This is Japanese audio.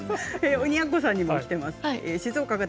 鬼奴さんにきています。